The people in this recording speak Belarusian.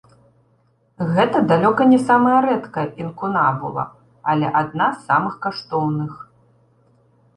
Гэта далёка не самая рэдкая інкунабула, але адна з самых каштоўных.